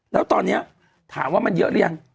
แล้วตอนนี้ถามว่ามันเยอะหรือยัง